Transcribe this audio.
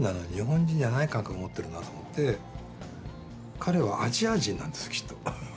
彼はアジア人なんですよ、きっと。